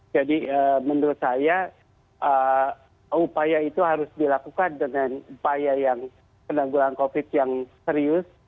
jadi menurut saya upaya itu harus dilakukan dengan upaya yang penanggulan covid yang serius